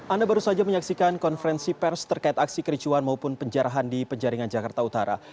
anda baru saja menyaksikan konferensi pers terkait aksi kericuan maupun penjarahan di penjaringan jakarta utara